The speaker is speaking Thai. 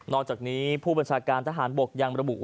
นอกจากนี้ผู้บรรชาการทหารบกยังบรรบุว่า